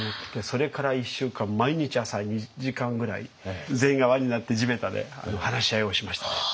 それから１週間毎日朝２時間ぐらい全員が輪になって地べたで話し合いをしましたね。